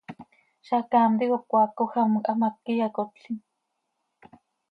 Zacaam ticop cmaacoj am quih hamác iyacotlim.